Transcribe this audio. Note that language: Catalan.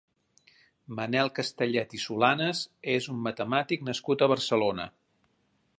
Manuel Castellet i Solanas és un matemàtic nascut a Barcelona.